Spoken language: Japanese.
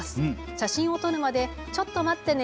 写真を撮るまでちょっと待ってね。